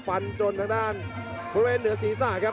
ฟันจนทางด้านบริเวณเหนือศีรษะครับ